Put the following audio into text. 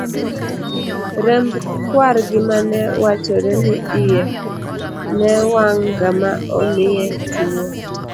remb kwargi mane wachore ni iye newang'ga ma omiye tuwo